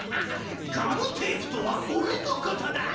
ガムテープとはオレのことだ！